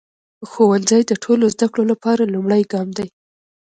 ښوونځی د ټولو زده کړو لپاره لومړی ګام دی.